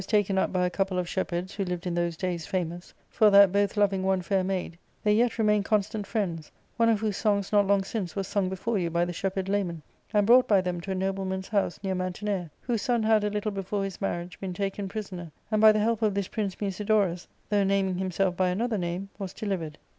^Book IL 133 taken up by a couple of shepherds who lived in those days famous ; for that, both loving one fair maid, they yet remained constant friends, one of whose songs not long since was sung before you by the shepherd Lamon, and brought by them to a nobleman's house, near Mantinea, whose son had) a little before his marriage, been taken prisoner, and, by the help of this prince, Musidorus (though naming himself by another name) was delivered.'